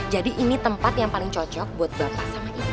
jadi ini tempat yang paling cocok buat bapak sama ibu